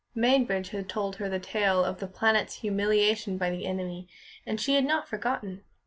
Mainbridge had told her the tale of The Planet's humiliation by the enemy, and she had not forgotten.